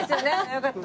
よかった。